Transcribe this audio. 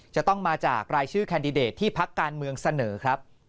จะต้องมาจากรายชื่อแคนดิเดตที่พักการเมืองเสนอครับ